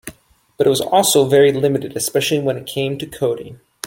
But it was also very limited, especially when it came to coding.